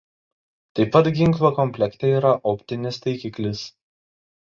Taip pat ginklo komplekte yra optinis taikiklis.